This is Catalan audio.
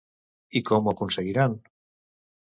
I com ho aconseguiran?